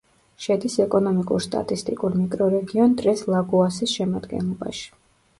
შედის ეკონომიკურ-სტატისტიკურ მიკრორეგიონ ტრეს-ლაგოასის შემადგენლობაში.